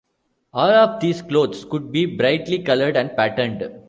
All of these clothes could be brightly colored and patterned.